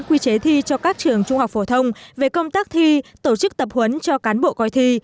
quy chế thi cho các trường trung học phổ thông về công tác thi tổ chức tập huấn cho cán bộ coi thi